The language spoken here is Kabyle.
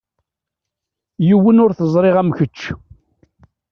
Yiwen ur t-ẓriɣ am kečč.